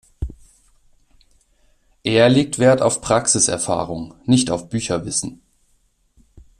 Er legt wert auf Praxiserfahrung, nicht auf Bücherwissen.